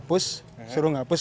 biasanya mereka sering kemas